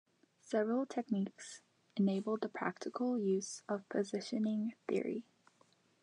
Several techniques enabled the practical use of positioning theory.